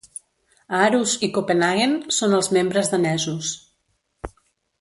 Aarhus i Copenhaguen són els membres danesos.